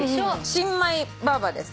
「新米ばあばです」